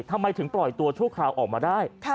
ทำไมถึงปล่อยตัวชั่วคราวออกมาได้